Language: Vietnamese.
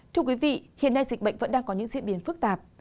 thưa quý vị hiện nay dịch bệnh vẫn đang có những diễn biến phức tạp